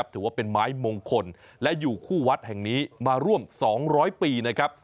ถือว่าเป็นไม้มงคลและอยู่คู่วัดแห่งนี้มาร่วม๒๐๐ปีนะครับ